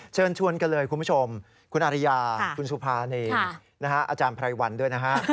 เชิญชวนกันเลยคุณผู้ชมคุณอาริยาคุณสุภานีอาจารย์ไพรวันด้วยนะฮะ